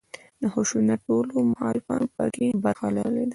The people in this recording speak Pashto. د خشونت ټولو مخالفانو په کې برخه لرلې ده.